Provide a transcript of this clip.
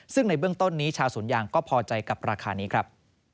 ซึ่งในเบื้องต้นนี้ชาวสวนยางก็พอใจกับราคานี้ครับ